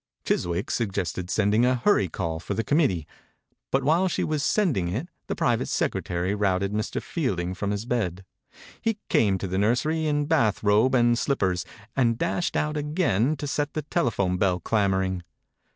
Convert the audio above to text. Chiswick suggested sending a hurry call for the committee, but while she was sending it the private secretary routed Mr. Fielding from his bed. He came to the nursery in bath robe and slippers, and dashed out again to set the telephone bell clamoring.